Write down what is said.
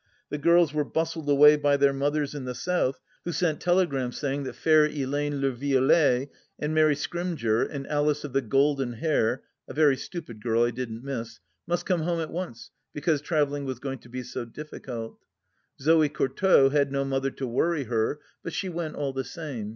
The girls were bustled away by their mothers in the South, who sent telegrams saying that Fair Ellayne le Violet and Mary Scrymgeour and Alice of the Golden Hair — a very stupid girl I didn't miss — ^must come home at once because travelling was going to be so difficult. ZoS Courtauld had no mother to worry her, but she went all the same.